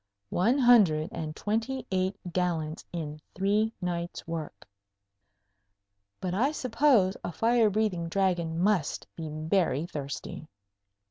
One hundred and twenty eight gallons in three nights' work! But I suppose a fire breathing Dragon must be very thirsty.